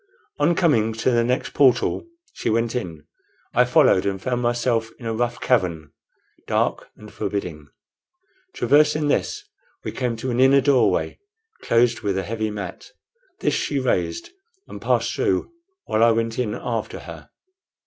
On coming to the next portal she went in. I followed, and found myself in a rough cavern, dark and forbidding. Traversing this we came to an inner doorway, closed with a heavy mat. This she raised, and passed through, while I went in after her.